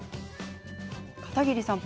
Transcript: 片桐さん